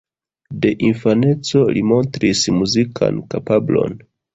De infaneco li montris muzikan kapablon.